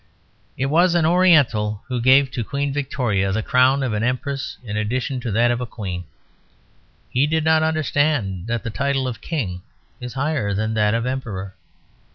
It was an Oriental who gave to Queen Victoria the crown of an Empress in addition to that of a Queen. He did not understand that the title of King is higher than that of Emperor.